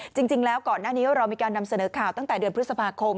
จริงแล้วก่อนหน้านี้เรามีการนำเสนอข่าวตั้งแต่เดือนพฤษภาคม